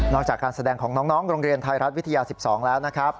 จากการแสดงของน้องโรงเรียนไทยรัฐวิทยา๑๒แล้วนะครับ